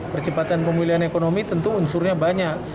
percepatan pemilihan ekonomi tentu unsurnya banyak